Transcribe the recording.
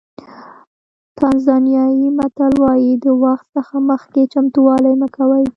تانزانیایي متل وایي د وخت څخه مخکې چمتووالی مه کوئ.